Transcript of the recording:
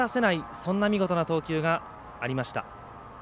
そんな見事な投球がありました。